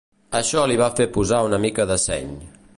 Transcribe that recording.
Això li va fer posar una mica de seny.